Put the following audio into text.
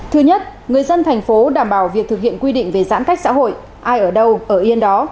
thứ nhất người dân thành phố đảm bảo việc thực hiện quy định về giãn cách xã hội ai ở đâu ở yên đó